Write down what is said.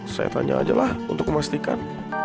saya tanya aja lah untuk memastikan